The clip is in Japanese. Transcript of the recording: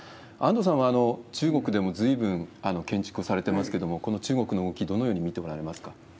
安藤さんは中国でもずいぶん建築をされてますけれども、この中国の動き、どのように見ておられますか？